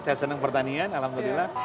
saya senang pertanian alhamdulillah